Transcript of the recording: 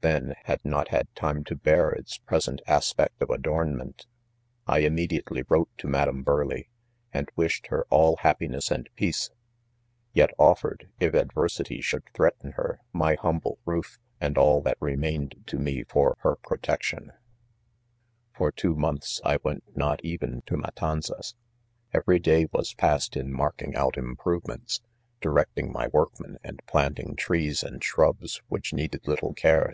tfreo, had not, ha4 time to bear its present as pect of adornment. I immediately wrote to Madam Burleigh, and wished her all happiness and peace; yet offered, if adversity should threaten her, my humble roof and all that re mained to me for her protection* For two months I went not even to Matan zas | every day was pased; in marking out im provements, directing my workmen, and plan ting trees and shrubs, which, needed little cars